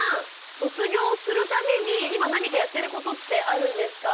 卒業するために今何かやってることってあるんですか？